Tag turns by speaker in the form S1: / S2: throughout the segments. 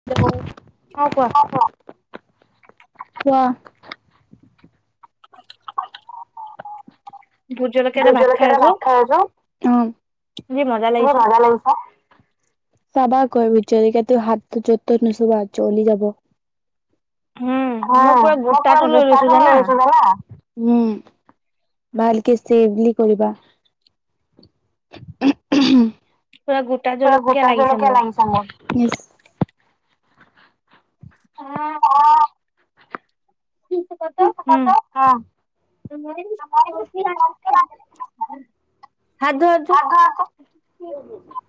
S1: [unintelligible]
S2: অ, কোৱা?
S1: [unintelligible] কোৱা?
S2: [unintelligible] জলকীয়া এটা
S1: ভোট
S2: খাই
S1: জলকীয়াৰে
S2: আছো
S1: ভাত খাই আছোঁ অ,
S2: যি মজা
S1: [unintelligible]
S2: লাগিছে
S1: ত' য' ত ত'ত নুচুবা জ্বলি যাব।
S2: উম মই পুৰা গোটাটো লৈ লৈছো জানা
S1: [unintelligible] উম, ভালকে চেবলি কৰিবা। [unintelligible]
S2: পুৰা গোট
S1: পোৰা গোটা জলকীয়া লাগিছে মোৰ ইয়েচ।
S2: [unintelligible] [unintelligible]
S1: [unintelligible] থাকাটো অ,
S2: [unintelligible] হাত ধোৱাটো
S1: আকৌ - আকৌ [unintelligible]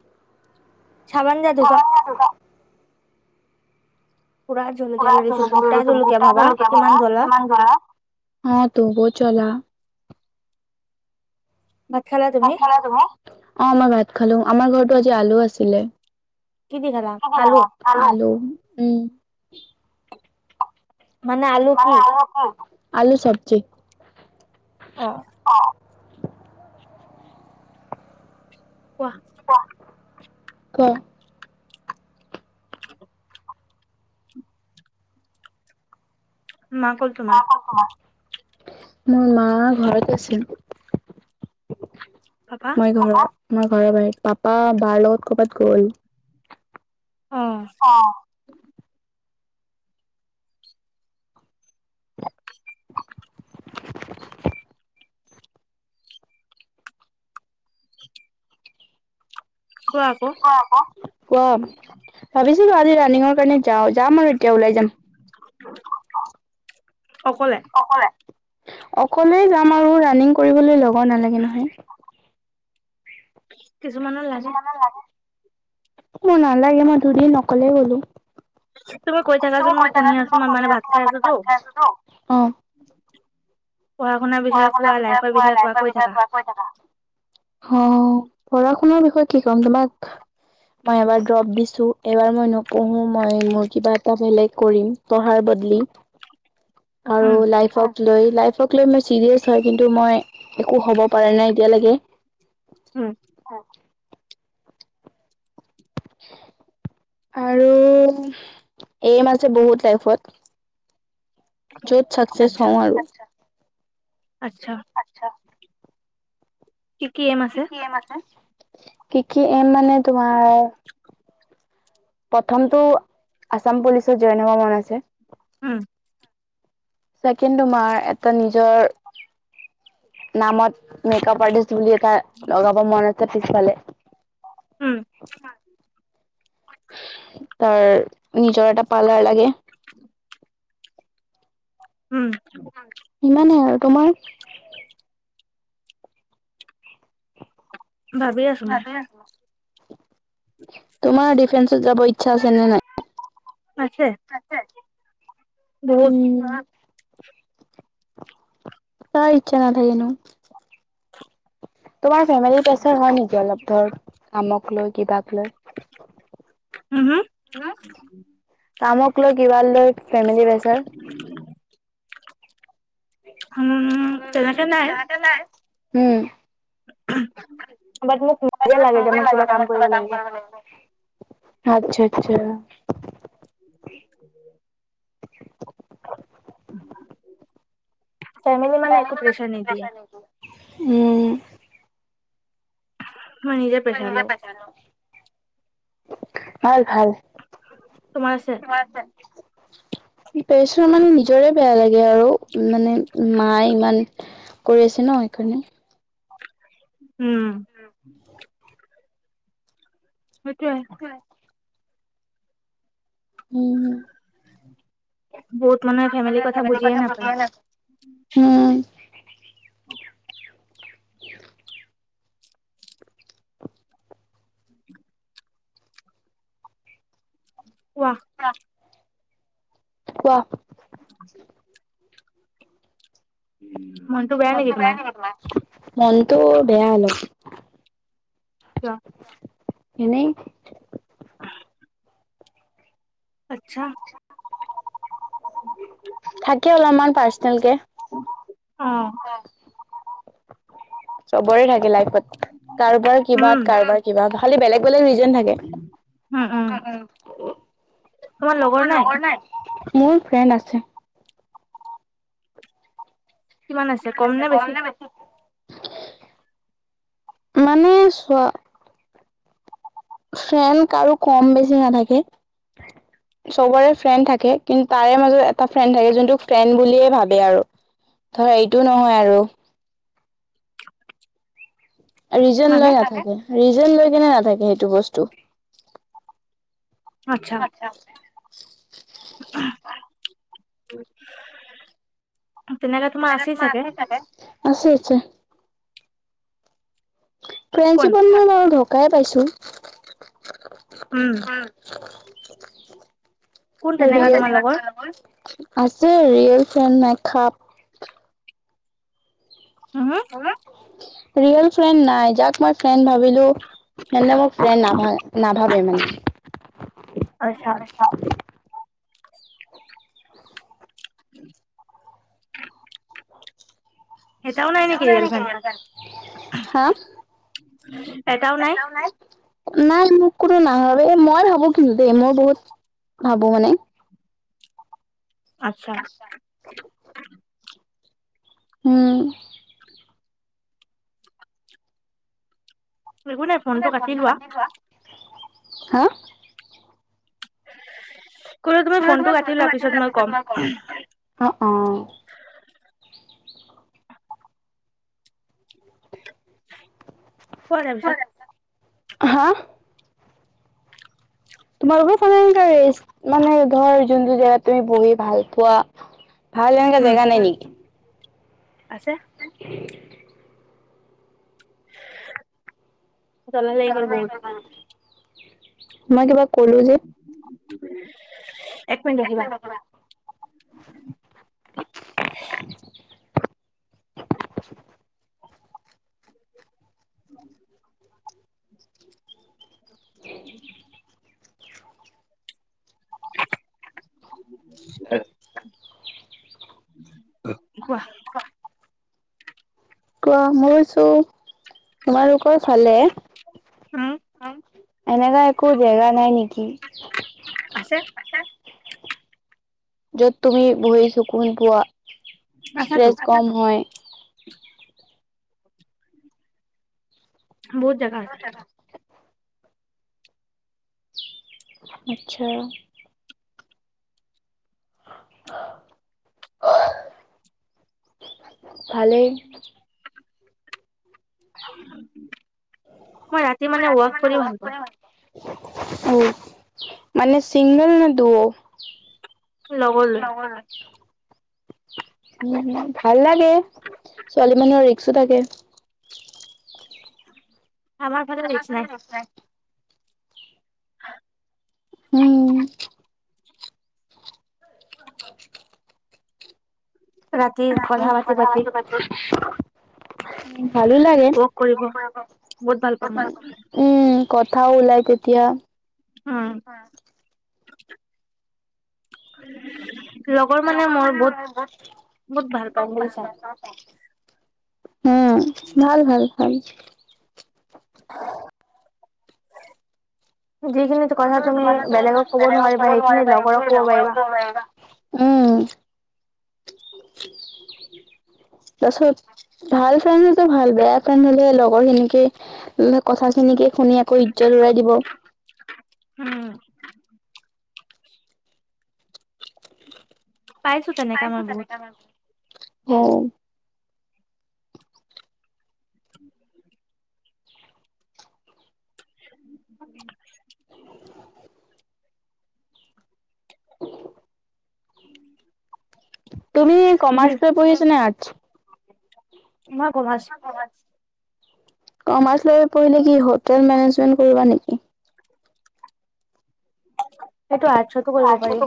S2: চাবান যাদুকা। পুৰা জলকীয়া লৈ লৈছো গোটা জলকীয়া ভাবা
S1: [unintelligible]
S2: জ্বলা
S1: কিমান জ্বলা অ, তো বহুত জ্বলা।
S2: ভাত খালা
S1: ভাত খালা তুমি অ, মই ভাত খালো আমাৰ ঘৰতো আজি আলু আছিলে।
S2: কি দি খালা আলু?
S1: [inaudible] আলু উম
S2: মানে আলু কি
S1: আলু চব্জি।
S2: অ। কোৱা?
S1: ক ক
S2: মা ক'ল তোমাৰ?
S1: মোৰ মা ঘৰত আছে।
S2: পাপা?
S1: মই ঘৰ মই ঘৰৰ বাৰীত, পাপা বাৰ লগত কবাত গ'ল।
S2: অ
S1: অহ।
S2: কোৱা আকৌ
S1: ক আক, কোৱা? ভাবিছিলো আজি ৰাণিঙৰ কাৰণে যাও যাম আৰু এতিয়া ওলাই যাম।
S2: অকলে।
S1: অকলে যাম আৰু ৰাণিং কৰিবলৈ লগৰ নালাগে নহয়।
S2: কিছুমানৰ লাগে
S1: কিছুমানত লাগে, মোৰ নালাগে মই দুইদিন অকলেই গ'লো।
S2: তুমি কৈ থাকাচোন মই শুনি আছো মই মানে ভাত খাই আছো তো।
S1: অ পঢ়া শুনা
S2: কোৱা
S1: বিষয়ে
S2: লাইফৰ
S1: কোৱা লাইফৰ
S2: কৈ
S1: বিষয়য়ে
S2: থাকা
S1: কোৱা। কৈ থাকা, অ পঢ়া শুনাৰ বিষয়ে কি কম তোমাক মই এবাৰ দ্ৰপ দিছো, এবাৰ মই নপঢ়ো মই মোৰ কিবা এটা বেলেগ কৰিম। পঢ়া বদলি আৰু
S2: উম
S1: লাইফক লাইফক লৈ মই ছিৰিয়াছ হয় কিন্তু মই একো হ'ব পৰা নাই এতিয়ালৈকে।
S2: হু।
S1: [unintelligible] আৰু এইম আছে বহুত লাইফত। য'ত ছাকচেছ
S2: আচ্ছা
S1: হুউ আৰু।
S2: আচ্ছা।
S1: আচ্ছা।
S2: কি কি এম আছে?
S1: কি কি এম আছে, কি কি এম মানে তোমাৰ প্ৰথমতটো আচাম পুলিচত জইন হব মন আছে।
S2: উম।
S1: ছেকেণ টো তুমাৰ এটা নিজৰ নামত মেক কাপ আৰ্টিষ্ট বুলি এটা লগাব মন আছে পিছফালে।
S2: উম
S1: তাৰ নিজৰ এটা পাৰ্লাৰ লাগে।
S2: উম।
S1: ইমানে আৰু তোমাৰ?
S2: ভাবি আছো মই
S1: [inaudible] তোমাৰ ডিফেন্সত যাব ইচ্ছা আছে নে নাই?
S2: আছে।
S1: আছে,
S2: বহুত
S1: উম। ঘৰত। কাৰ ইচ্ছা নাথাকেনো। তোমাৰ ফেমিলি প্ৰেছাৰ হয় নেকি অলপ ধৰ কামক লৈ কিবাক লৈ।
S2: উম হুম।
S1: কামক লৈ কিবা লৈ ফেমেলি পেচাৰ।
S2: উম হুম তেনেকে নাই।
S1: উম। [unintelligible]
S2: বাট
S1: কিবা
S2: মোক নিজে
S1: কাম
S2: লাগে যে মই কিবা কাম
S1: কৰিব লাগিব নেকি? আচ্ছা। আচ্ছা। [unintelligible]
S2: ফেমিলি মানে একো প্ৰেছাৰ নিদিয়ে।
S1: উম।
S2: মই নিজে প্ৰেছাৰ লওঁ
S1: [unintelligible] হয়, ভাল।
S2: তোমাৰ আছে?
S1: প্ৰিপাৰেচন মানে নিজৰে বেয়া লাগে আৰু। মানে মায়ে ইমান কৰি আছে ন। সেইকাৰণে
S2: উম। সেইটোৱে
S1: হয়। উম।
S2: বহুত মানে
S1: [unintelligible] উম'। [inaudible]
S2: কোৱা।
S1: কোৱা কোৱাহ।
S2: [inaudible] মইটো
S1: মনটো বেয়া নেকি তোমাৰ? মনটো বেয়া অলপ।
S2: কিয়?
S1: এনেই।
S2: [inaudible] আচ্ছা।
S1: থাকে অলপমান পাৰ্চনেলকে
S2: অ'হ।
S1: চবৰে থাকে লাইফত। কাৰোবাৰ
S2: উম
S1: কিবাত। কাৰোবাৰ কিবাত। খালি বেলেগ -বেলেগ ৰিজ -ন
S2: উম উম
S1: থাকে। তোৰ লগৰ নাই? মোৰ ফ্ৰেণ্ড আছে। [unintelligible] কম নে বেছি? মানে চোৱা ফ্ৰেণ্ড কাৰো কম- বেছি নাথাকে। চবৰে ফ্ৰেণ্ড থাকে। কিন্তু তাৰে মাজত এটা ফ্ৰেণ্ড থাকে, যোনটোক ফ্ৰেণ্ড বুলিয়ে ভাবে আৰু। ধৰা ইটো নহয় আৰু। ৰিজন
S2: মানে
S1: লৈ নাথাকে। ৰিজন লৈ কেনে নাথাকে, সেইটো বস্তু।
S2: আচ্ছা। ওমহ। তেনেহলে তোমাৰ আছেই চাগে?
S1: আছে। আছে।
S2: কোন
S1: ফ্ৰেইণ্ডশ্বিপত মই বাৰু ধ'কাই পাইছোঁ।
S2: উম কোন
S1: [unintelligible] হৰি।
S2: তেনেকা তোমাৰ লগৰ
S1: [inaudible] আছে ৰিয়েল ফ্ৰেণ্ড। [unintelligible]
S2: হ'হু।
S1: [unintelligible] ৰিয়েল ফ্ৰেণ্ড নাই। যাক মই ফ্ৰেণ্ড ভাবিলো, মানে মোৰ ফ্ৰেণ্ড নহয়। নাভাবে মানে।
S2: আচ্ছা।
S1: [unintelligible]
S2: [unintelligible] এটাও নাই নেকি ৰিয়েল ফ্ৰেণ্ড
S1: [unintelligible] হা।
S2: এটাও নাই
S1: [unintelligible] নাই। মোক কোনো নাভাবে। এই মই ভাবো কিন্তু দেই মই বহুত ভাবো মানে
S2: আচ্ছা',
S1: [unintelligible] উম',
S2: একো নাই। ফোনটো কাটি লোৱা।
S1: হা,
S2: ক'লে তোমাৰ ফোনটো কাটি লোৱা পিছত মই ক'ম।
S1: অ', অ,
S2: কোৱা তাৰপিছত
S1: হা, তোমালোকৰ ফালে [unintelligible] মানে ধৰ যোনটো জেগাত তুমি বহি ভাল পোৱা। ভাল এনেকা
S2: উম
S1: জেগা নাই নেকি?
S2: আছে।
S1: [unintelligible]
S2: জ্বলা লাগি গ'ল বহুত
S1: মই কিবা কলো যে,
S2: এক মিনিট ৰখিবা। [unintelligible] [unintelligible] [unintelligible] কোৱা।
S1: [unintelligible] কোৱা মইছো তোমালোকৰ ভালে?
S2: উম
S1: এনেকা একো জেগা নাই নেকি?
S2: আছে।
S1: য'ত তুমি বহি চকোন পোৱা
S2: আছেতো
S1: ষ্ট্ৰেছ কম হয়।
S2: বহুত জাগা
S1: [unintelligible] আচ্ছা', ভালেই।
S2: মই ৰাতি মানে ৱাক কৰি ভাল পাওঁ।
S1: অ', মানে চিংগল নে দ?
S2: লগৰ লৈ
S1: [unintelligible] উম', ভাল লাগে। ছোৱালী মানুহৰ ৰিক্সো থাকে।
S2: আমাৰ ফালে ৰিক্স নাই।
S1: উম', [inaudible]
S2: ৰাতি
S1: [unintelligible]
S2: কথা
S1: উম',
S2: পাতি পাতি
S1: ভালো লাগে।
S2: ৱক কৰিব বহুত ভাল পাওঁ মই
S1: উম', কথাও ওলাই তেতিয়া
S2: উম', লগৰ মানে মই বহুত বহুত ভাল পাম বুজিছা।
S1: উম', ভাল, ভাল, ভাল।
S2: [unintelligible] যিখিনি কথা তুমি
S1: [unintelligible]
S2: বেলেগক ক'ব নোৱাৰিবা সেইখিনি
S1: [unintelligible]
S2: লগৰক ক'ব পাৰিবা।
S1: [unintelligible] উম' তাপাছত, ভাল ফ্ৰেণ্ডত হলেতো ভাল, বেয়া ফ্ৰেণ্ড হলে লগৰ খিনিকে- কথা খিনিকে শুনি আকৌ ইজ্জত উৰাই দিব।
S2: উম'
S1: পাইছো তেনেকা মানুহ। অঁ'
S2: [unintelligible] [unintelligible]
S1: [inaudible] [inaudible] তুমি
S2: যি
S1: কমাৰ্চ লৈ পঢ়িছানে আৰ্টছ?
S2: ময় কমাৰ্চ।
S1: কমাৰ্চ লৈ পঢ়িলে কি হোটেল মেনেজমেন্ট কৰিবা নেকি?
S2: সেইটো আৰ্টছতো কৰিব পাৰি।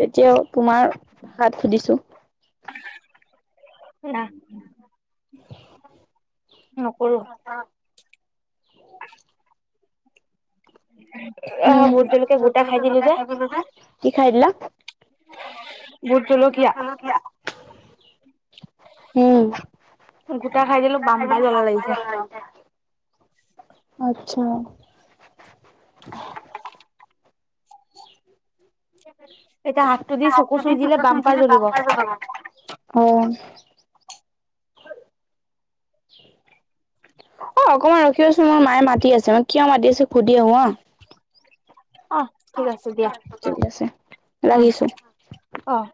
S1: তেতিয়াও তোমাৰ ভাষাত সুধিছো।
S2: না। নকৰো।
S1: অঁ'
S2: [inaudible] আহা
S1: উম,
S2: ভূত জলকীয়া গোটা খাই দিলো যে।
S1: [unintelligible] কি খাই দিলা?
S2: বুট জলকীয়া।
S1: উম,
S2: গোটা
S1: দুটা খাই
S2: বাম্পাৰ
S1: দিলো,
S2: জ্বলা
S1: বাল পাই
S2: লাগিছে
S1: গলো আৰু। আত্ছা।
S2: এতিয়া হাতটো দি চকু চুই দিলে বাম্পাৰ জ্বলিব
S1: [unintelligible] অঁ' অ, অকমান ৰখিদেচোন মোৰ মায়ে মাতি আছে, মই কিয় মাতি আছো সুধি আহো হাঁ।
S2: অঁহ ঠিক আছে দিয়া।
S1: ঠিক আছে
S2: উম,
S1: ৰাখিছো।
S2: অ'।